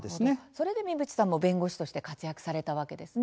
それで三淵さんも弁護士として活躍されたわけですね。